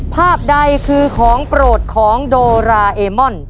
ภาพใดคือของโปรดของโดราเอมอน